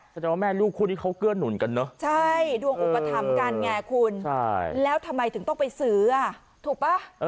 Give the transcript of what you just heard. คือแม่ลูกคู่ที่เค้าเกื้อดหนุนกันเนอะจใช่ดวงอุปธรรมกันไงคุณแล้วทำไมถึงต้องไปซื้ออ่ะถูกป่ะ